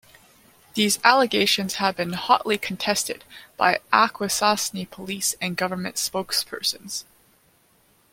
These allegations have been hotly contested by Akwesasne police and government spokespersons.